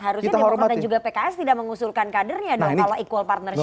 harusnya demokrat dan juga pks tidak mengusulkan kadernya dong kalau equal partnershi